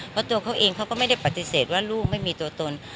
เพราะตัวเขาเองเขาก็ไม่ได้ปฏิเสธว่าลูกไม่มีตัวตน